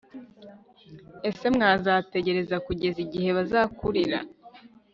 ese mwazategereza kugera igihe bazakurira